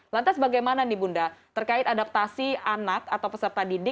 lantas bagaimana nih bunda terkait adaptasi anak atau peserta didik